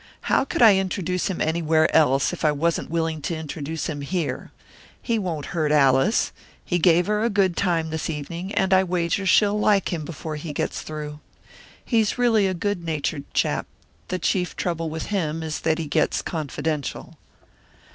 How could I introduce him anywhere else, if I wasn't willing to introduce him here? He won't hurt Alice. He gave her a good time this evening, and I wager she'll like him before he gets through. He's really a good natured chap; the chief trouble with him is that he gets confidential."